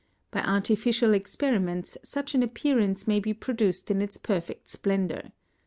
By artificial experiments such an appearance may be produced in its perfect splendour.